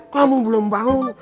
kamu belum bangun